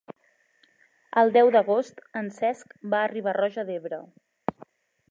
El deu d'agost en Cesc va a Riba-roja d'Ebre.